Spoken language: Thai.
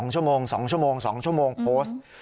๒ชั่วโมง๒ชั่วโมง๒ชั่วโมงโพสต์